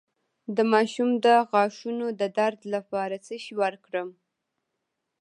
د ماشوم د غاښونو د درد لپاره څه شی ورکړم؟